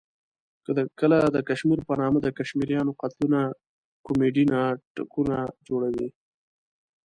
کله د کشمیر په نامه د کشمیریانو قتلونه کومیډي ناټکونه جوړوي.